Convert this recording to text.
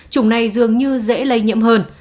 chủng này dường như dễ lây nhiễm hơn